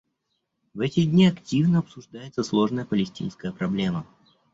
В эти дни активно обсуждается сложная палестинская проблема.